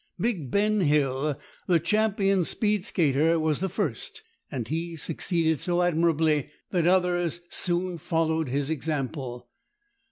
Big Ben Hill, the champion speed skater, was the first, and he succeeded so admirably that others soon followed his example.